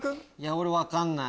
俺分かんない。